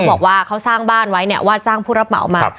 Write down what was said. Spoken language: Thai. บอกว่าเขาสร้างบ้านไว้เนี่ยว่าจ้างผู้รับเหมามา